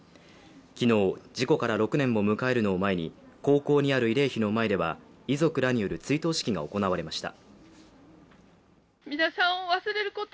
昨日、事故から６年を迎えるのを前に、高校にある慰霊碑の前では遺族らによる追悼式が行われました。